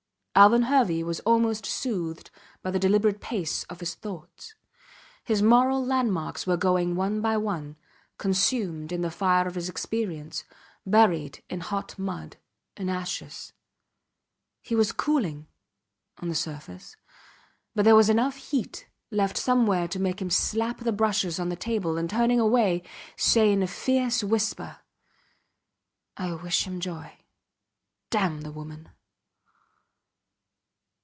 Alvan Hervey was almost soothed by the deliberate pace of his thoughts. His moral landmarks were going one by one, consumed in the fire of his experience, buried in hot mud, in ashes. He was cooling on the surface; but there was enough heat left somewhere to make him slap the brushes on the table, and turning away, say in a fierce whisper: I wish him joy ... Damn the woman.